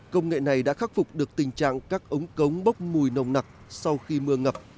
công nghệ này đã khắc phục được tình trạng các ống cống bốc mùi nồng nặc sau khi mưa ngập